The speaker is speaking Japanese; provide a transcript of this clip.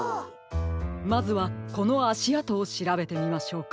まずはこのあしあとをしらべてみましょうか。